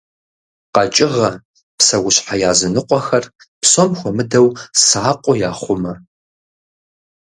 КъэкӀыгъэ, псэущхьэ языныкъуэхэр псом хуэмыдэу сакъыу яхъумэ.